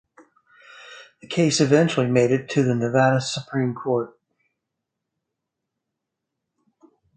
The case eventually made it to the Nevada Supreme Court.